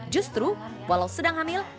justru walau sedang hamil